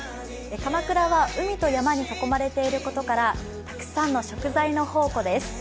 鎌倉は海と山に囲まれていることからたくさんの食材の宝庫です。